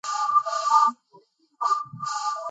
მისი ფრესკა გამოსახულია ნაბახტევის ეკლესიის კედელზე.